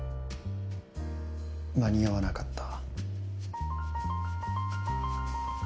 間に合わなかった？